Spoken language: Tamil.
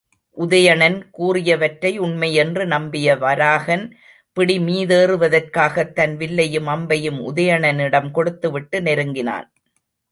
உதயணன் கூறியவற்றை உண்மை என்று நம்பிய வராகன் பிடி மீதேறுவதற்காகத் தன் வில்லையும் அம்பையும் உதயணனிடம் கொடுத்துவிட்டு நெருங்கினான்.